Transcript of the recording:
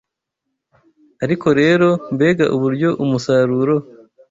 Ariko rero, mbega uburyo umusaruro